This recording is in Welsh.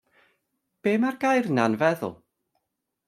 Be' mae'r gair yna 'n feddwl?